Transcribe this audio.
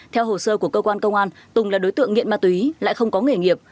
theo hồ sơ của cơ quan công an tùng là đối tượng nghiện ma túy lại không có nghề nghiệp